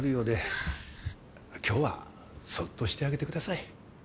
現在今日はそっとしてあげてください。